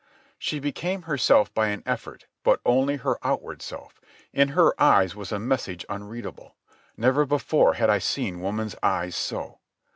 She became herself by an effort, but only her outward self. In her eyes was a message unreadable. Never before had I seen woman's eyes so.